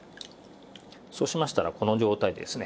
そうしましたらこの状態でですね